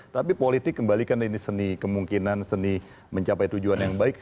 tapi politik kembalikan ini seni kemungkinan seni mencapai tujuan yang baik